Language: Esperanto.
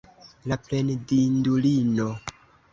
La plendindulino!